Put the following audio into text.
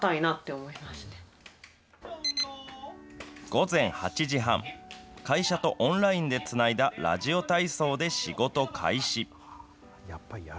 午前８時半、会社とオンラインでつないだラジオ体操で仕事開始。